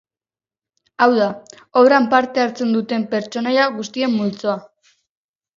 Hau da, obran parte hartzen duten pertsonaia guztien multzoa.